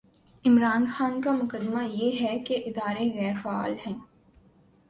عمران خان کا مقدمہ یہ ہے کہ ادارے غیر فعال ہیں۔